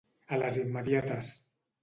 A les immediates.